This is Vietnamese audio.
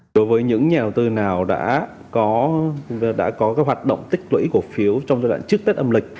đối với những nhà đầu tư nào đã có hoạt động tích lũy cổ phiếu trong giai đoạn trước tết âm lịch